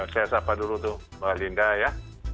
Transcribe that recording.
saya siapa dulu tuh bu linda ya